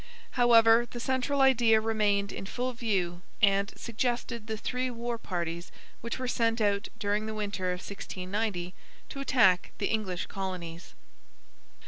However, the central idea remained in full view and suggested the three war parties which were sent out during the winter of 1690 to attack the English colonies.